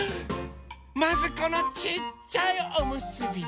まずこのちっちゃいおむすび。